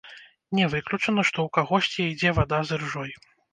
Не выключана, што ў кагосьці ідзе вада з іржой.